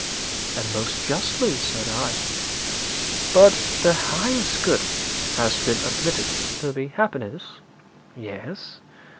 'And most justly,' said I. 'But the highest good has been admitted to be happiness.' 'Yes.'